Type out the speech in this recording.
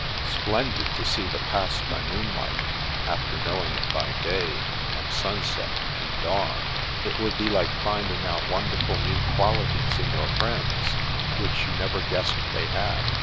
" Splendid to see the Pass by moonlight, after knowing it by day, and sunset, and dawn! It would be like finding out wonderful new qualities in your friends, which you'd never guessed they had."